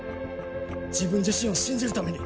自分自身を信じるために。